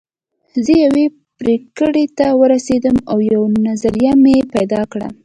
زه يوې پرېکړې ته ورسېدم او يوه نظريه مې پيدا کړه.